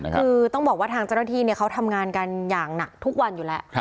คือต้องบอกว่าทางเจ้าหน้าที่เขาทำงานกันอย่างหนักทุกวันอยู่แล้ว